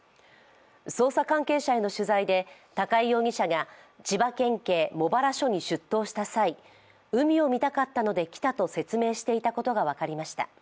捜査関係者への取材で、高井容疑者が千葉県警茂原署に出頭した際、海を見たかったので来たと説明していたことが分かりました。